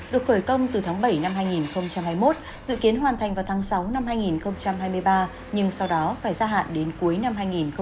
được khởi công từ tháng bảy năm hai nghìn hai mươi một dự kiến hoàn thành vào tháng sáu năm hai nghìn hai mươi ba nhưng sau đó phải gia hạn đến cuối năm hai nghìn hai mươi